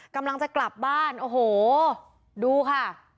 กำลังจะกลับบ้านโอ้โหดูค่ะ